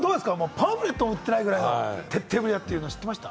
パンフレットも売ってないくらいの徹底ぶりだって知ってました？